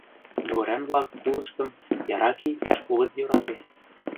— Дворян-влак кулыштым яра кийыкташ огыт йӧрате.